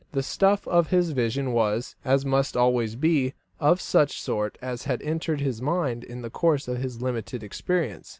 The stuff of this vision was, as must always be, of such sort as had entered his mind in the course of his limited experience.